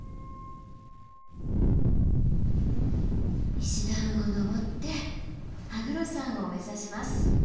石段を登って羽黒山を目指します。